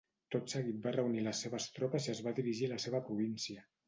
Tot seguit va reunir les seves tropes i es va dirigir a la seva província.